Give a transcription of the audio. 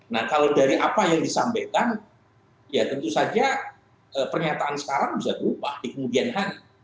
nah kalau dari apa yang disampaikan ya tentu saja pernyataan sekarang bisa berubah di kemudian hari